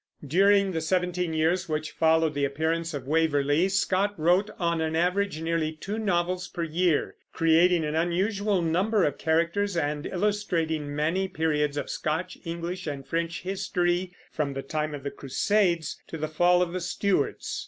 During the seventeen years which followed the appearance of Waverley, Scott wrote on an average nearly two novels per year, creating an unusual number of characters and illustrating many periods of Scotch, English, and French history, from the time of the Crusades to the fall of the Stuarts.